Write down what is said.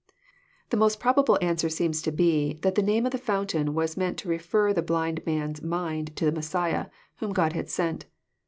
— The most probable answer seems to be, that the name of the fountain was meant to refer the blind man's mind to the Messiah, whom God had " sent."